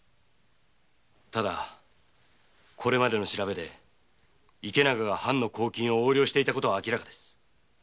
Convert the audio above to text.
ただこれまでの調べで池永が藩の公金を横領していたことは明らかです。